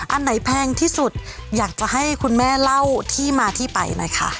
อันไหนแพงที่สุดอยากจะให้คุณแม่เล่าที่มาที่ไปนะคะ